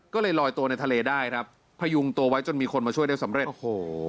ก็เลยลอยตัวในทะเลได้ครับพยุงตัวไว้จนมีคนมาช่วยได้สำเร็จโอ้โห